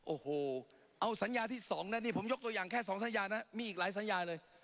โอ้โหเอาสัญญาที่๒นะนี่ผมยกตัวอย่างแค่๒สัญญานะมีอีกหลายสัญญาเลย